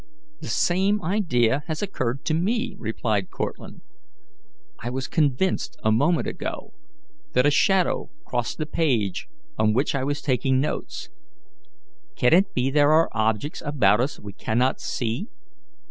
"The same idea has occurred to me," replied Cortlandt. "I was convinced, a moment ago, that a shadow crossed the page on which I was taking notes. Can it be there are objects about us we cannot see?